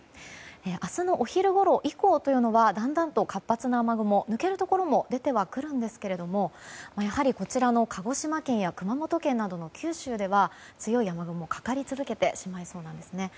明日のお昼ごろ以降というのはだんだんと活発な雨雲抜けるところも出てくるんですがやはり、こちらの鹿児島県や熊本県などの九州では強い雨雲がかかり続けてしまいそうなんですね。